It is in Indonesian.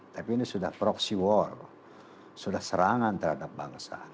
tapi ini sudah proxy war sudah serangan terhadap bangsa